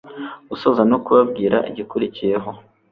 gusoza no kubabwira igikurikiyeho